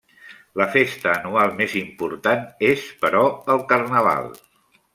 La festa anual més important és, però, el carnaval.